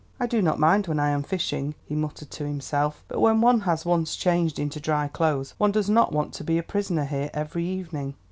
"I do not mind when I am fishing," he muttered to himself; "but when one has once changed into dry clothes one does not want to be a prisoner here every evening.